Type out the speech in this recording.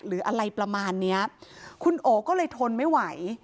หรืออะไรประมาณเนี้ยคุณโอก็เลยทนไม่ไหว